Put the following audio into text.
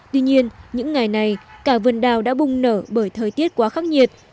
tuy nhiên những ngày này cả vườn đào đã bùng nở bởi thời tiết quá khắc nhiệt